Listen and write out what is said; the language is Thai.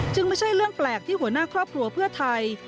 ไม่ใช่เรื่องแปลกที่หัวหน้าครอบครัวเพื่อไทย